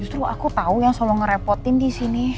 justru aku tau yang selalu ngerepotin disini